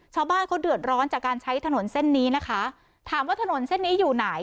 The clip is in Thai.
ชาวบ้านเขาเดือดร้อนจากการใช้ถนนเส้นนี้นะคะถามว่าถนนเส้นนี้อยู่ไหน